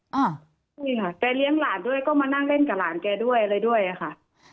นี่ค่ะแกเลี้ยงหลานด้วยก็มานั่งเล่นกับหลานแกด้วยอะไรด้วยค่ะ